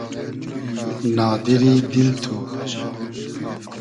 نادیری دیل تو